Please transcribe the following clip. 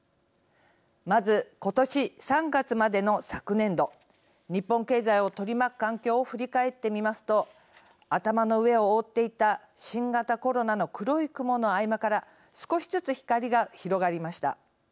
まず今年３月までの昨年度日本経済を取り巻く環境を振り返ってみますと頭の上を覆っていた新型コロナの黒い雲の合間から少しずつ光が広がりました。